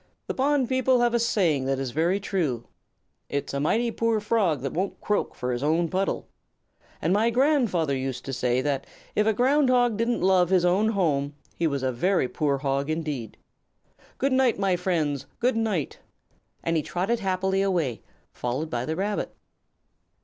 The Pond People have a saying that is very true: 'It's a mighty poor Frog that won't croak for his own puddle.' And my grandfather used to say that if a Ground Hog didn't love his own home he was a very poor Hog indeed. Good night, my friends, good night." And he trotted happily away, followed by the Rabbit.